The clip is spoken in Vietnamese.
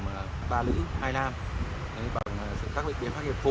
bằng sự tác lực biến pháp hiệp vụ